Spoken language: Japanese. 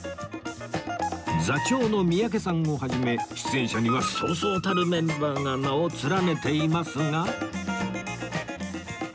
座長の三宅さんを始め出演者にはそうそうたるメンバーが名を連ねていますが